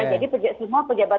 jadi semua pejabat